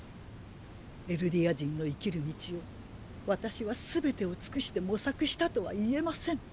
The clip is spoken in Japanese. エルディア人の生きる道を私はすべてを尽くして模索したとは言えません。